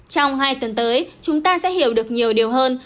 trong hai tuần tới chúng ta sẽ hiểu được nhiều điều hơn